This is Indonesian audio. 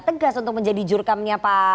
tegas untuk menjadi jurkamnya pak